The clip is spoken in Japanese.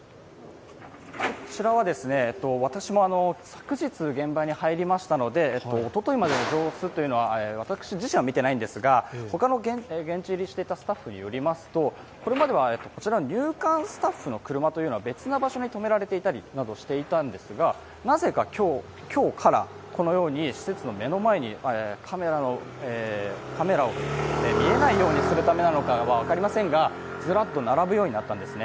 こちらは私も昨日、現場に入りましたのでおとといまでの様子は私自身は見ていないのですが、他の現地入りしていたスタッフによりますと、これまでは入管スタッフの車は別な場所に止められていたりなどしていたんですがなぜか今日から、このように施設の目の前に、カメラを見えないようにするためなのかは分かりませんがずらっと並ぶようになったんですね。